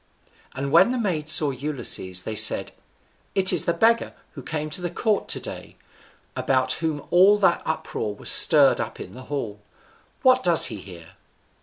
And when the maids saw Ulysses, they said, "It is the beggar who came to the court to day, about whom all that uproar was stirred up in the hall: what does he here?"